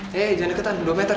hey jangan deketan dua meter